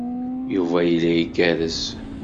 Yuba yella igerrez.